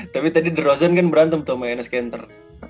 tapi tadi the rozan kan berantem tuh sama enes kanter